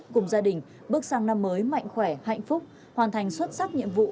cùng gia đình bước sang năm mới mạnh khỏe hạnh phúc hoàn thành xuất sắc nhiệm vụ